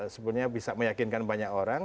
sebenarnya bisa meyakinkan banyak orang